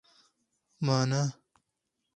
مانا